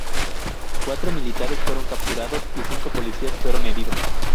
Cuatro militantes fueron capturados y cinco policías fueron heridos.